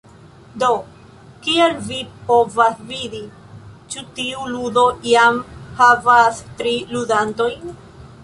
Do, kiel vi povas vidi, ĉi tiu ludo jam havas tri ludantojn.